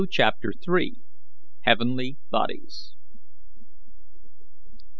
CHAPTER III. HEAVENLY BODIES.